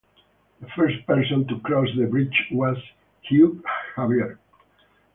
The first person to cross the bridge was Hugo Xavier.